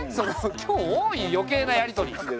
今日多い余計なやり取り。